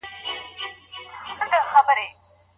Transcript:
انجینري پوهنځۍ په چټکۍ نه ارزول کیږي.